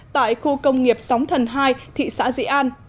tại khu công nghiệp sóng thần hai thị xã dị an